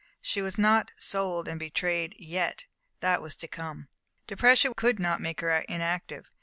She was not "sold and betrayed" yet; that was to come. Depression could not make her inactive.